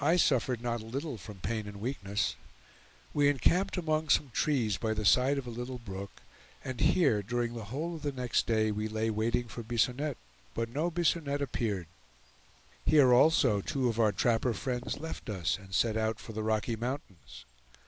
I suffered not a little from pain and weakness. We encamped among some trees by the side of a little brook, and here during the whole of the next day we lay waiting for Bisonette, but no Bisonette appeared. Here also two of our trapper friends left us, and set out for the Rocky Mountains.